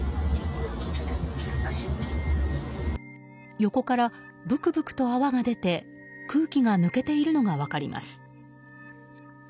横から、ブクブクと泡が出て空気が抜けているのが分かります。